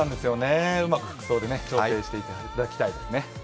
うまく服装で調整していただきたいですね。